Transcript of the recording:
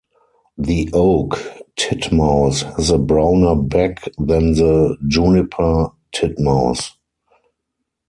The oak titmouse has a browner back than the juniper titmouse.